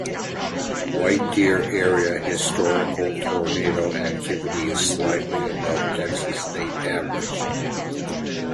White Deer-area historical tornado activity is slightly above Texas state average.